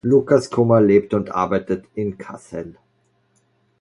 Lukas Kummer lebt und arbeitet in Kassel.